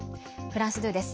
フランス２です。